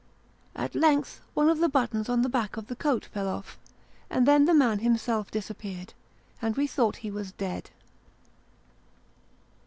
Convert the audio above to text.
At length, one of the buttons on the back of the coat fell off, and then the man himself disappeared, and we thought he was dead.